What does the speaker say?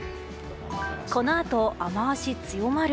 このあと雨脚強まる。